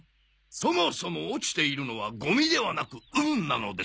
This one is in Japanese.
そもそも落ちているのはゴミではなく運なのです。